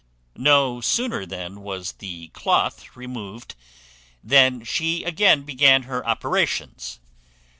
"No sooner then was the cloth removed than she again began her operations.